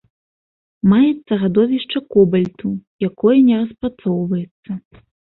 Маецца радовішча кобальту, якое не распрацоўваецца.